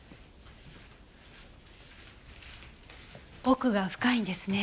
奥が深いんですね